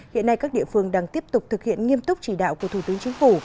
hiện nay các địa phương đang tiếp tục thực hiện nghiêm túc chỉ đạo của thủ tướng chính phủ